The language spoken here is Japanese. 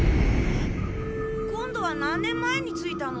今度は何年前に着いたの？